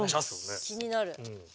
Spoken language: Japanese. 気になる。